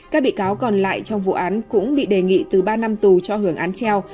các bị cáo còn lại trong vụ án cũng bị đề nghị từ ba năm tù cho hưởng án treo